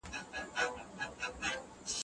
استاد د شاګرد املا نه سموي.